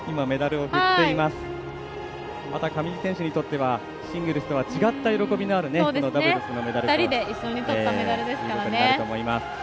また上地選手にとってはシングルスとは違った喜びがダブルスのメダルということになると思います。